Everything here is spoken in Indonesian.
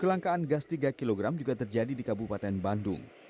kelangkaan gas tiga kg juga terjadi di kabupaten bandung